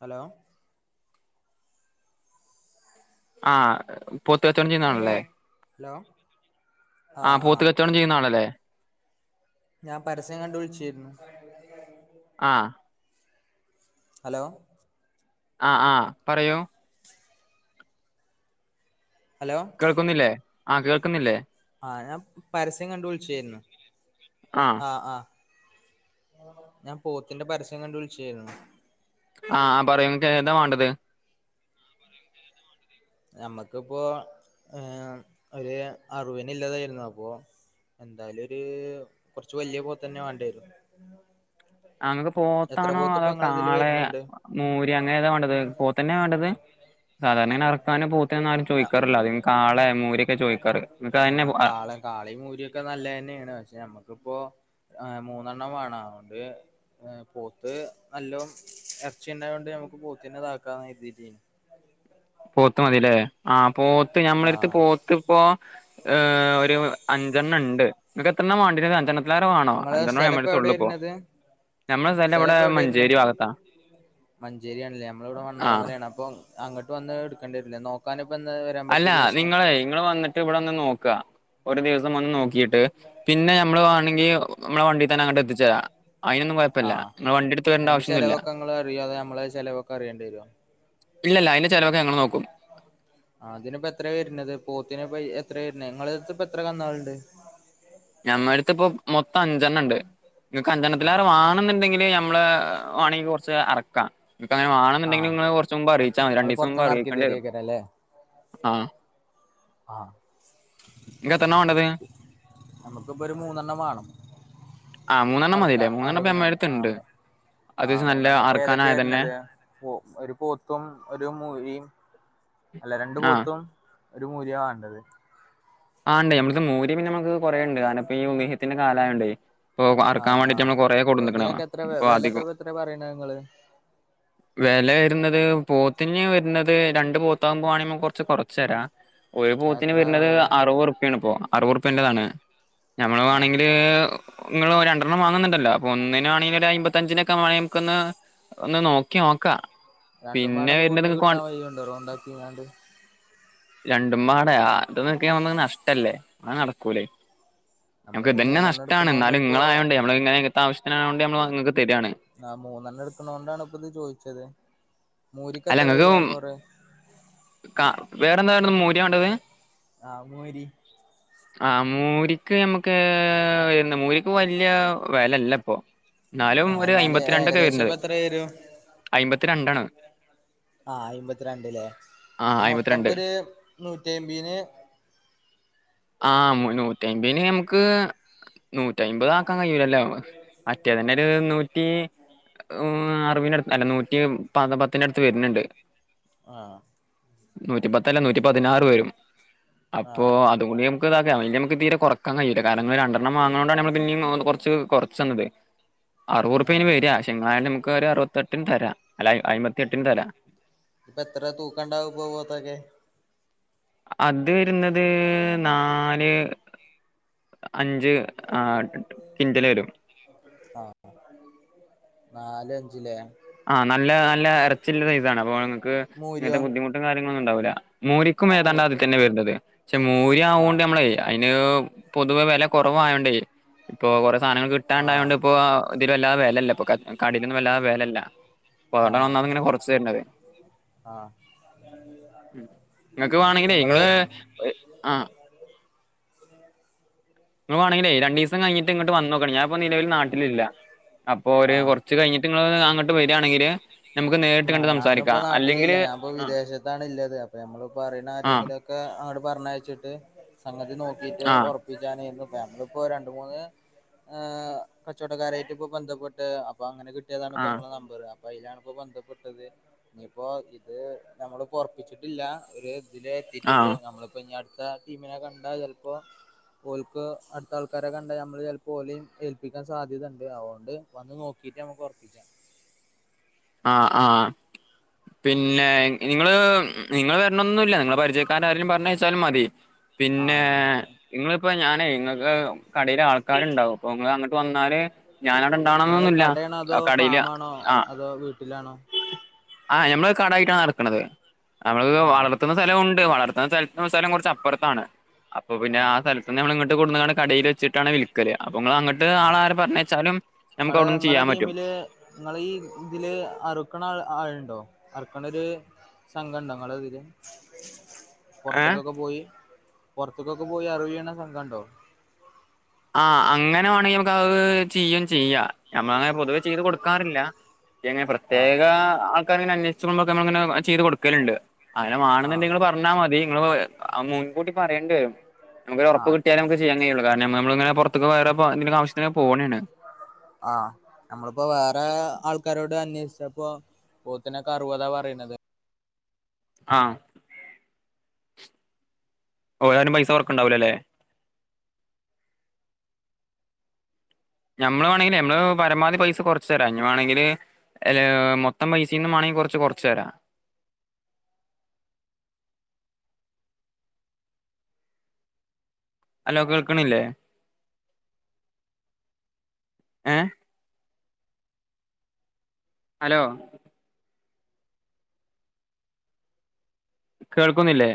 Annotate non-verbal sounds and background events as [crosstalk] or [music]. hello ആ പോത്ത് കച്ചോടം ചെയ്യുന്ന ആളല്ലേ ഹലോ ആ ആഹ് പോത്ത് ആഹ് കച്ചവണം ചെയ്യുന്ന ആളല്ലേ ഞാൻ പരസ്യം കണ്ട വിളിച്ചരുന്നു ആ ഹലോ ആ ആ പറയോ ഹലോ കേൾക്കുന്നില്ലേ ആ കേൾക്കുന്നില്ലേ ആ ഞാൻ പരസ്യം കണ്ടു വിളിച്ചായിരുന്നു ആഹ് ആ ആ ഞാൻ പോത്തിന്റെ പരസ്യം കണ്ട വിളിച്ചായിരുന്നു ആ ആ പറയുംനി ഏതാ വേണ്ടത് നമ്മക്കിപ്പോ ഏ ഒരു അറുപന് ഇല്ലാതായിരുന്നു അപ്പൊ എന്തായാലും ഒരു കൊറച്ച വലിയ പോത്ത തന്നെ വേണ്ട വും അങ്ങൊക്ക് പോത്താണോ അതോ ഇതില് കാളെ വരുന്നുണ്ട് മോര് അങ്ങനെ ഏതാ വേണ്ടത് പോത്ത് തന്നെ വേണ്ടത് സാധാരണ ഇറക്കാനും പോ മ ആരും ആ, ചോദിക്കാറില്ലോ അ ആളെ മൂരൊക്കെ ചോദിക്കാറ് ആഹ് നിങ്ങക്ക്തെ കാള കാളി മൂരിയൊക്കെ നല്ലതന്നെയാണ് പക്ഷെ നമ്മക്കിപ്പോ മൂന്നെണ്ണം വേണം അതൊണ്ട് പോത്ത് നല്ലോ ഇറച്ചി ഉണ്ടായ കൊണ്ട് നമക്ക് പോത്തിനെ ഇതാക്കാ എഴതിട്ട അത പോത്ത മതില്ലേ ആ പോത്ത് ഞമ്മളെടുത്ത് ആഹ് പോത്ത് ഇപ്പോ ഏ ഒരു അഞ്ചെണ്ണ ഉണ്ട് നിെ എത്രെ മോണ്ടിന ത അഞ്ചനത്തിലാര കാേണോ നിങ്ങളെ അഞ്ചെണ്ണ സ്ഥലം നമ്മ ഇപ്പൊ തുള്ളി എവിടെയാ പോ വരുന്നത് ഞമ്മൾ സ്ഥല ഇവിടെ മഞ്ചേരി ഭാഗത്താ മഞ്ചേരിയാണല്ലേ നമ്മള ഇവിടെ ആഹ് മണ്ണാറമലയാണ് അപ്പൊ അങ്ങോട്ട് വന്ന് എടുക്കേണ്ടി വരില്ലേ നോക്കാൻ അല്ല നിങ്ങളെ നിങ്ങള് വന്നിട്ട് ഇവിടെ ഒന്ന് നോക്കുക ഒരു ദിവസം വന്ന് നോക്കിട്ട് പിന്നെ നമ്മള് വാണെങ്കിൽ നമ്മളെ വണ്ടി തന്നെ അങ്ങോട്ട് എത്തിച്ചരാം അതിനൊന്നും കുഴപ്പമില്ല നിങ്ങൾ വണ്ടി എടുത്ത് വരേണ്ട ആവശം ഒന്നുമല്ല അറിയാതെ നമ്മള് ചെലവൊക്കെ അറിയണ്ടി വരും ഇല്ലല്ല അതിന്റെ ചിലവൊക്കെ ഞങ്ങ നോക്കും ആ ആ അതിനിപ്പോ എത്ര വരുന്നത് പോത്തിനപ്പ എത്രയ വരുന്നത് നിങ്ങള എത്ര കന്നാളുണ്ട് ഞമ്മ അടുത്ത് ഇപ്പ മൊത്തം അഞ്ചെണ്ണ ഉണ്ട് നിങ്ങക്ക് അഞ്ചെണ ആറെ ആഹ് വാണ എന്നുണ്ടെങ്കില് നമ്മള് വണെങ്കിൽ കുറച്ച് അറക്കാം ക്ക് അങ്ങനെ വേണെന്നുണ്ടെങ്കിൽ ആഹ് നിങ്ങള് കുറച്ച് മുമ്പ് അറിയിച്ചതി രണ്ട് നിങ്ങള് ദിവസം മുമ്പ് പുറത്തുന്ന് ഇറക്കി അറിയിക്കണ്ടി വരും തരുവായിരിക്കും അല്ലേ ആ ആ നമുക്കിപ്പൊ ഒരു മൂന്നെണ്ണം വേണം ആഹ് മൂന്നെണ്ണം മതില്ലേ മൂന്നെണ്ണംപ്പ അമ്മടുത്തുണ്ട് ആ മൂന്നെണ്ണപ്പ ഏതൊക്കെ വരണത് പോ ഒരു പോത്തും ഒരു മുരിയും അല്ല രണ്ടു ആഹ് പോത്തും ഒരു മൂരിയാ വേണ്ടത് ആണ്ട് നമ്മത്തെ മൂര്യ പിന്നെ നമുക്ക് കുറേ ഉണ്ട് കാരണം ഇപ്പോ ഈ ഉദ്ദേഹത്തിന്റെ കാലായുണ്ടേ ആ ആഹ് അപ്പൊ ഇതിനൊക്കെ എത്ര ഇപ്പൊ വിലക്കൊക്ക എത്ര പറയണ നിങ്ങള് വില വരുന്നത് പോത്തിന് വരുന്നത് രണ്ട് പോത്താകുമ്പോവാണെപ കൊറച്ച് കൊറച്ച് തരാം ഒരു പൂത്തിന് എത്ര വരുന്നത് വരിക അറുപത് റുപാണ് ഇപ്പോ അറുപത് റൂപ്യേറഎൻ്റണ് ഞമ്മള് ആഹ് വേണെങ്കില് നിങ്ങൾ രണ്ടണ്ണം വാങ്ങുന്നുണ്ടല്ല അപ്പോ ഒന്നിനാണെങ്കിൽ ഒരു അമ്പത്തഞ്ചിനൊക്കെ വാ നമ്മുക്കൊന്ന് ഒന്ന് നോക്കി നോക്കാ രണ്ടും പാട പിന്നെ വരുന്നത് നൂറിന് ഇങ്ങക്ക് വാ കിട്ടാൻ വയ്യണ്ട് റോണ്ടാക്കിങ്ങാണ്ട് രണ്ടും പാട അത് നക്ക നഷ്ടല്ലേ അനെ നടക്കൂലേ നമുക്ക് നമ്മളിപ്പോ ഇതന്നെ മൂന്നെണ്ണം നഷ്ടമാണ് എടുക്കണോണ്ട് എന്നാലും ഇപ്പോ ഇങ്ങള ആയതോണ്ട് നമ്മങ്ങനെ ഇങ്ങത്തെ ആവശ്യത്തിനായണ്ട് നമ്മ നിക്ക് തരിയാണ് ആ മൂന്നെണ്ണം എടുക്കുന്ന കൊണ്ടാണ് ഇപ്പൊ ഇത് ചോദിച്ചത് മൂരിക്ക അല്ല എത്ര നിങ്ങക്ക് വരിയാ പോറ് കാ വേറെന്തായിരുന്നു മൂര്യം വേണ്ടത് ആ മോരി ആ മൂരിക്ക് നമ്മുക്ക് എ മൂരിക്ക് വലിയ വിലല്ല ഇപ്പൊ എന്നാലും ആ ഒരു എന്നാല് അമ്പത്തിരണ്ടൊക്കെ ഏകദേശം വരണ്ടത് ഇപ്പ എത്ര വരും അയിമ്പത്തിരണ്ടാണ് ആ അമ്പത്തിരണ്ടല്ലേ ആ അപ്പൊ മൊത്തപ്പ അയ്മ്പത്തിരണ്ട് ഒരു നൂറ്റി അമ്പന് [unintelligible] ആ മുന്നൂറ്റി അമ്പന് നമുക്ക് നൂറ്റിമ്പത് ആക്കാൻ കഴിയൂല്ലല്ലോ മറ്റേ തന്നെ ഒരു നൂറ്റി അറുടു അല്ല നൂറ്റി പ പത്തിന്റെ അടുത്ത് വരുന്നുണ്ട് ആ നൂറ്റിപത്തല്ല നൂറ്റിപതിനാറ് വരും അപ്പോ ആഹ് അതുകൊ ഇത നമു തീരെറക്കൻ കഴയില്ല കാരണം രണ്ടെണ്ണം വാങ്ങത കൊണ്ടാണ്മ്മ പിന്ന കുറച്ച് കുറച്ച് തന്നത് [unintelligible] അറുപത്പ്പേന് ആഹ് വര ശെ എങ്ങാനും നമക്ക് ഒരു അറപത്തെട്ടന് തരാം അ അയമ്പത്തിട്ടിന് തല ഇപ്പൊ എത്ര തൂക്കണ്ടാവും ഇപ്പൊ പോത്തൊക്കെ അത് വരുന്നത് നാല് അഞ്ച് ആ കിൻ്റൽ വരും ആ നാലഞ്ചില്ലേ ആഹ് നല്ല നല്ല ഇറച്ചുള്ള സൈസാണ് അപ്പോ നിങ്ങക്ക് മൂരിയോ ഇങ്ങനത്തെ ബുദ്ധിമുട്ടും കാര്യങ്ങളൊന്നും ഉണ്ടാവൂല മൂരിക്കും മൂ ഏതാണ്ട് അതിൽ തന്നെ വരുന്നത് പക്ഷെ മോര്യാ ആഹ് ആവുകോണ്ട് നമ്മള് പിന്നെ പൊതുവെ വില കുറവായോണ്ടേ ഇപ്പൊ കുറ സാധനങ്ങൾ കിട്ടാണ്ടായത് ആഹ് കൊണ്ട് ഇപ്പോ ഇതില് വല്ലാത വിലല്ല ഇപ്പ കടയിൽന്നും വല്ലാത വിലല്ല പോണ്ട ആഹ് വന്നാണ് ഇങ്ങനെ കൊറച്ചു തരേണ്ടത് ആഹ് ഉം നിങ്ങക്ക് വേണെങ്കിലേ ഞമ്മള് നിങ്ങള് ആ [unintelligible] ങ്ങൾ വാണെങ്കില് രണ്ട ദിവസം കഴിഞ്ഞട്ട് ഇങ്ങോട്ട് വന്ന നോക്കണം ഞാൻ നിലവൽ നാട്ടിലില്ല അപ്പോ ഒരു ആഹ് കുറച്ച് കഴിഞ്ഞിട്ട് അങ്ങട്ട് വരിയാണെങ്കിൽ ആഹ് ഞാനും ഇപ്പ നാട്ടിലില്ല ഞാൻ ഇപ്പോ ആഹ് വിദേശത്തണള്ളത് അപ്പൊ നമ്മള് പറയുന്ന ആഹ് ആരെങ്കിലുംക്കെ അ പറഞ്ഞയച്ചിട്ട് സംഗതി നോക്കിട്ട് ആഹ് ഉറപ്പിച്ചാന നമ്മളിപ്പോ രണ്ട മൂന്ന് ഹ് കച്ചവടക്കാരായിട്ട് ഇപ്പ ബന്ധപ്പെട്ട് അപ്പൊ അങ്ങനെ കി ഏതാണ് ഇ ആഹ് നിങ്ങളെ നമ്പർ അപ്പ അതില ഇപ്പോ ബന് ട്ടത് ഇനിയിപ്പോ ഇത് നമ്മള് പൊറപ്പിച്ചിട്ടില്ല ഒരു അതില എത്തിട്ടുള്ളൂ ആഹ് നമ്മളിപ്പോ ഇ അടുത്ത ടീമിനെ കണ്ട ചിലപ്പോ ഓൽക്ക് അടുത്ത ആൾക്കാരെ കണ്ടൽ നമ്മള് ചിലപ്പോ ഓലും ഏൽപ്പിക്കാൻ സാധ്യതുണ്ട് അതുകൊണ്ട് വന്ന് നോക്കി കീട്ട് നമ്മുക്ക് ഉറപ്പിക്കാം ആഹ ആഹ പിന്നെ നിങ്ങള് നിങ്ങള് വരണൊന്നുല്ല നിങ്ങള് പരിചയക്കാര ആരെലും പറഞ്ഞയച്ചാൽ മതി ആ പിന്നെ നമുക്ക് നിങ്ങളിപ്പോ ഞാനേ ഇങ്ങൾക്ക് കടയില് ആൾക്കാരുണ്ടാവും അപ്പൊ നിങ്ങ അങ്ങട്ട് വ ന്നല് ഞാന് അവിടെ നിങ്ങളെ ഇണ്ടാവണന്നൊന്നുല്ല കടയാണോ കടയില് ആ ട്ടിലാണോ ആ ഞമ്മള് കടയിട്ടാണ് നടക്കണത് അവള് ആഹ് വളർത്തുന്ന സ്ഥലമുണ്ട് വളർ സ്ഥലം കുറച്ച് അപ്പുറത്താണ് അപ്പൊ പിന്നെ ആഹ് ആ കൊണ്ടന്നാണ്ട് കടയിൽ വെച്ചിട്ടാണ് വിൽക്കല് നിങ്ങൾ അങ്ങോട്ട് ആ ആളെ ആരെ പറഞ്ഞയച്ചാലും നമുക്ക് നിങ്ങളെ അവിടുന്ന് നിങ്ങളെ ചെയ്യാൻ പറ്റും ടീമില് നിങ്ങള് ഈ ഇതില് ആ അറുക്കണ ആളുണ്ടോ അറുക്കണ ഒരു സംഘം ഉണ്ടോ നിങ്ങളെതില് ഏഹ് പൊറത്തേക്കൊക്കെ പോയി പൊറത്തേക്കൊക്കെ പോയി അറവിയണ സംഘംണ്ടോ ആ അങ്ങനെ വേണെങ്കിൽ നമുക്ക് അത് ചെയും ചെയ്യാം നമ്മള് അങ്ങനെ പൊതുവെ ചെയ്ത് കൊടുക്കാറില്ല ങ്ങനെ ആഹ് പ്രത്യേക ആൾക്കാര് ഇങ്ങനെ അന്വേഷിച്ച് വരുമ്പോഴൊക്കെ നമ്മള് ഇങ്ങനെ ചെയ്ത് കൊടുക്കലുണ്ട് അങ്ങനെ മാണന്നുണ്ടെങ്കിൽ ആഹ് നിങ്ങള് പറഞ്ഞ മതി നിങ്ങള് മുൻകൂട്ടി പറയേണ്ടി വരും നമുക്ക് ഒരു ഉറപ്പ്‌ ആഹ് കിട്ടിയാലേ നമുക്ക് ചെയ്യാൻ കഴിയുള്ളൂ കാരണം നമ്മളിങ്ങനെ പൊറതിക്കും വേറെ എന്തെങ്കിലും ആവശ്യത്തിന് പോണയാണ് ആ നമ്മളിപ്പോ വേറെ ആൾക്കാരോട് അന്വേഷി പ്പോ പോത്തിനെക്കെ അറുപതാ പറയുന്നത് ആ ഓരാരും പൈസ കുറയ്ക്കു ഉണ്ടാവില്ലല്ലോ ഞമ്മള് വേണമെങ്കില് ഞമ്മള് പരമാവധി പൈസ കുറച്ചു തരാം ഇനി വേണമെങ്കില് അല്ല മൊത്തം പൈസയിന്ന് വേണെങ്കിൽ കുറച്ച് കുറച്ച് തരാം ഹലോ കേൾക്കണില്ലേ ഏ ഹലോ കേൾക്കുന്നില്ലേ